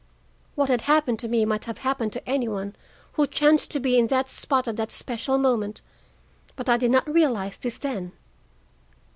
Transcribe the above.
What had happened to me might have happened to any one who chanced to be in that spot at that special moment, but I did not realize this then.